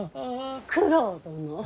九郎殿。